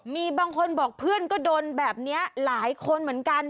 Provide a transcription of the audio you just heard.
มีบางคนบอกเพื่อนก็โดนแบบนี้หลายคนเหมือนกัน